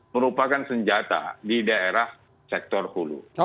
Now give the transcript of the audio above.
merupakan senjata di daerah sektor hulu